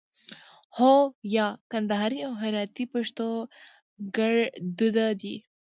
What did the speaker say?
هو 👍 یا 👎 کندهاري او هراتي پښتو کړدود دی